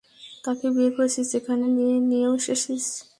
তাকে বিয়ে করেছিস, আর এখানে নিয়েও এসেছিস?